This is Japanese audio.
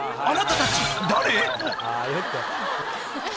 あなたたち］